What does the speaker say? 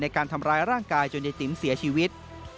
การทำร้ายร่างกายจนยายติ๋มเสียชีวิต